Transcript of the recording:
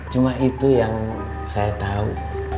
cuma itu yang saya tahu